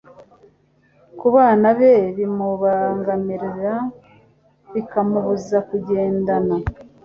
ku bana be bimubangamira bikamubuza kugendana